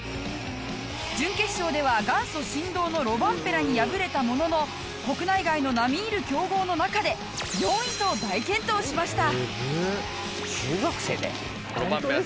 準決勝では元祖神童のロバンペラに敗れたものの国内外の並み居る強豪の中で４位と大健闘しました。